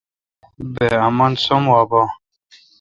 بہ امن سوم وا بھا۔